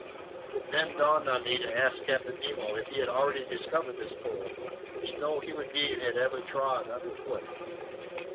It then dawned on me to ask Captain Nemo if he had already discovered this pole, which no human being had ever trod underfoot.